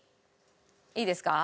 いいですか？